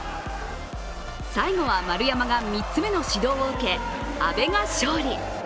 最後は丸山が３つ目の指導を受け、阿部が勝利。